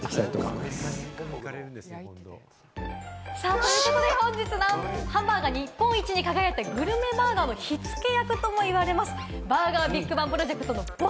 ということで本日、ハンバーガー日本一に輝いたグルメバーガーの火付け役とも言われます